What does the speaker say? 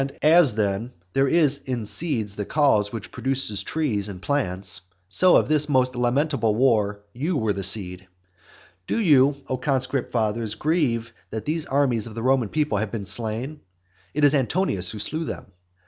As, then, there is in seeds the cause which produces trees and plants, so of this most lamentable war you were the seed. Do you, O conscript fathers, grieve that these armies of the Roman people have been slain? It is Antonius who slew them.